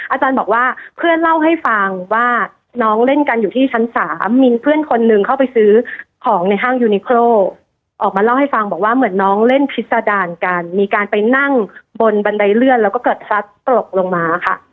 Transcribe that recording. อาจารย์บอกว่าเพื่อนเล่าให้ฟังว่าน้องเล่นกันอยู่ที่ชั้น๓มีเพื่อนคนหนึ่งเข้าไปซื้อของในห้างยูนิโครออกมาเล่าให้ฟังบอกว่าเหมือนน้องเล่นพิษดารกันมีการไปนั่งบนบันไดเลื่อนแล้วก็เกิดพลัดตกลงมาค่ะ